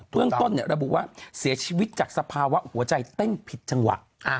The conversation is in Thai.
เรื่องต้นระบุว่าเสียชีวิตจากสภาวะหัวใจเต้นผิดจังหวะ